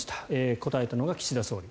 答えたのが岸田総理。